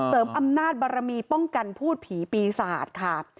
เสริมอำนาจบารมีป้องกันพูดผีปีศาจค่ะ